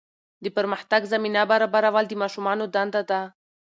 د پرمختګ زمینه برابرول د ماشومانو دنده ده.